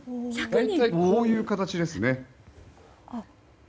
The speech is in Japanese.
大体こういう形ですね。